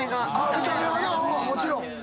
見た目はなもちろん。